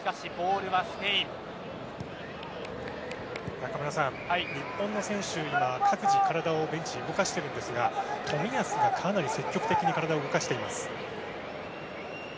中村さん、日本の選手は各自、体をベンチで動かしているんですが冨安がかなり積極的に体を動かしています。